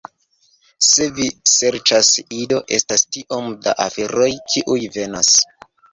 Se vi serĉas Ido, estas tiom da aferoj, kiuj venas